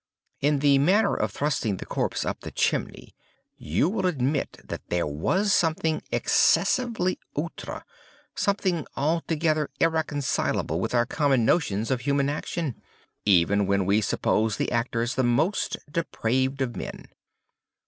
In the manner of thrusting the corpse up the chimney, you will admit that there was something excessively outré—something altogether irreconcilable with our common notions of human action, even when we suppose the actors the most depraved of men.